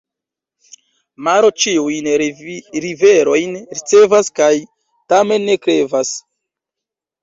Maro ĉiujn riverojn ricevas kaj tamen ne krevas.